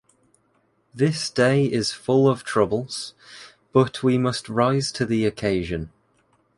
This day is full of troubles, but we must rise to the occasion.